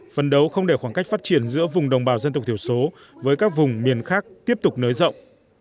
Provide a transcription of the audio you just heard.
phân đấu không để khoảng cách phát triển giữa vùng đồng bào dân tộc thiểu số với các vùng miền khác tiếp tục nới rộng